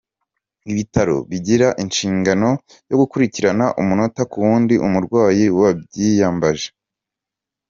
Ibitaro bigira inshingano yo gukurikira umunota kuwundi umurwayi wabyiyambaje.